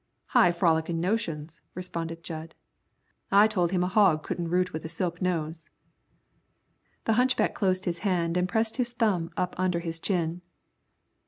"High frollickin' notions," responded Jud. "I told him a hog couldn't root with a silk nose." The hunchback closed his hand and pressed his thumb up under his chin.